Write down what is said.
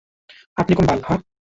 আপনি কোন বাল, হাহ?